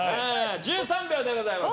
１３秒でございます。